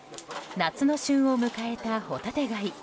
夏の旬を迎えたホタテ貝。